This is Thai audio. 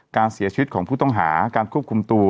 การเสียชีวิตของผู้ต้องหาการควบคุมตัว